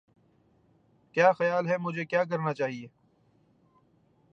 کیا خیال ہے مجھے کیا کرنا چاہئے